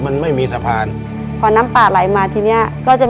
ในแคมเปญพิเศษเกมต่อชีวิตโรงเรียนของหนู